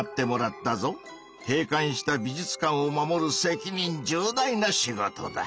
閉館した美術館を守る責任重大な仕事だ。